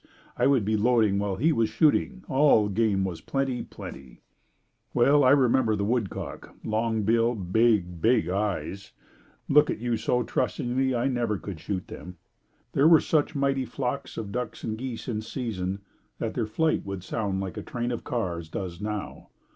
I would be loading while he was shooting. All game was plenty, plenty. Well I remember the woodcock, long bill, big, big eyes look at you so trustingly I never could shoot them. There were such mighty flocks of ducks and geese in season that their flight would sound like a train of cars does now.